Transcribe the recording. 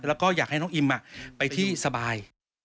แล้วก็อยากให้น้องอิมไปที่สบาย